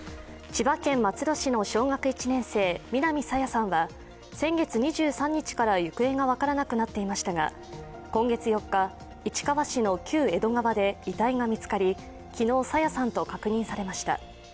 千葉県松戸市の小学１年生南朝芽さんは先月２３日から行方が分からなくなっていましたが、今月４日、市川市の旧江戸川で遺体が見つかり昨日、朝芽さんと確認されました。